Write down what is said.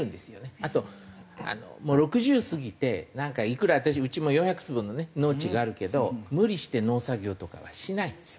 あともう６０過ぎてなんかいくら私うちも４００坪のね農地があるけど無理して農作業とかはしないんですよ。